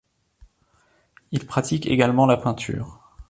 Il pratique également la peinture.